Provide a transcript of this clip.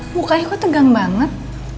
mukanya kok tegang banget